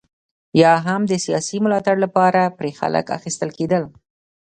یا هم د سیاسي ملاتړ لپاره پرې خلک اخیستل کېدل.